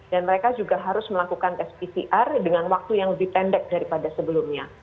dan mereka juga harus melakukan tes pcr dengan waktu yang lebih pendek daripada sebelumnya